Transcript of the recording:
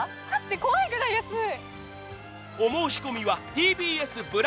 怖いぐらい安い。